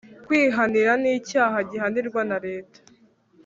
Kwihanira ni icyaha gihanirwa na leta